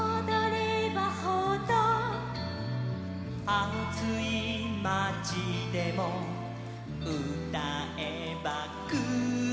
「あついまちでもうたえばクール」